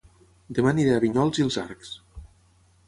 Dema aniré a Vinyols i els Arcs